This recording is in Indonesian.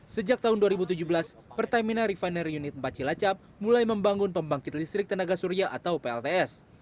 sejak tahun dua ribu tujuh belas pertamina refinery unit empat cilacap mulai membangun pembangkit listrik tenaga surya atau plts